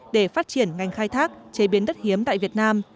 để phát triển ngành khai thác chế biến đất hiếm tại việt nam